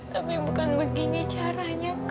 tapi bukan begini caranya